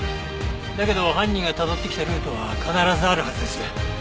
だけど犯人がたどってきたルートは必ずあるはずです。